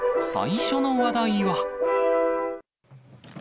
最初の話題は。